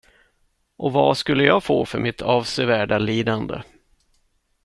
Och vad skulle jag få för mitt avsevärda lidande?